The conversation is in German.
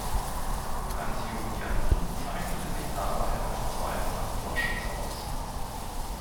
Hans-Jürgen Jansen zeichnete sich dabei als zweifacher Torschütze aus.